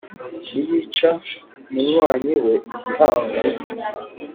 niyica munywanyi we igihango